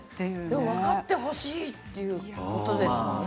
でも分かってほしいということですもんね。